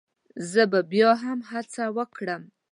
زه به بيا هم هڅه وکړم